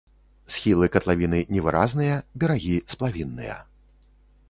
Схілы катлавіны невыразныя, берагі сплавінныя.